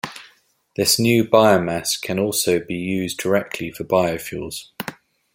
This new biomass can also be used directly for biofuels.